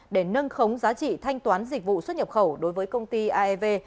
để nâng khống giá trị thanh toán dịch vụ xuất nhập khẩu đối với công ty aev